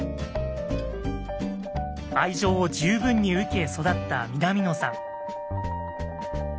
愛情を十分に受け育った南野さん。